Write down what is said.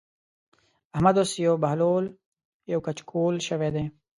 احمد اوس يو بهلول يو کچکول شوی دی.